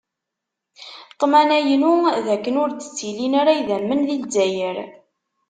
Ṭṭmna-inu d akken ur d-ttilin ara idammen di Zzayer.